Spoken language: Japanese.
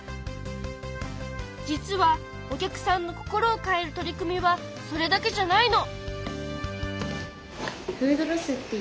実はお客さんの心を変える取り組みはそれだけじゃないの！